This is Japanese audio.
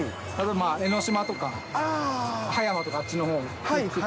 江の島とか、葉山とか、あっちのほう。